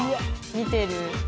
見てる。